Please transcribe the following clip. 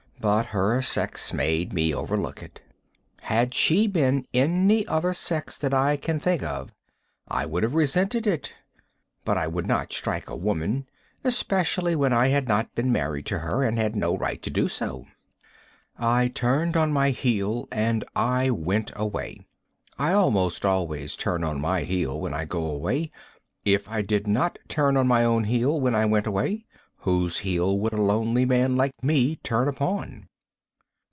But her sex made me overlook it. Had she been any other sex that I can think of, I would have resented it. But I would not strike a woman, especially when I had not been married to her and had no right to do so. I turned on my heel and I went away. I most always turn on my heel when I go away. If I did not turn on my own heel when I went away, whose heel would a lonely man like me turn upon?